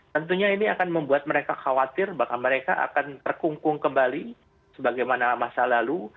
tentunya ini akan membuat mereka khawatir bahwa mereka akan terkungkung kembali sebagaimana masa lalu